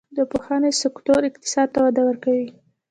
د پوهنې سکتور اقتصاد ته وده ورکوي